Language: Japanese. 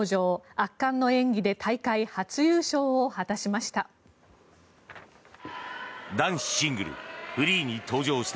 圧巻の演技で大会初優勝を果たしました。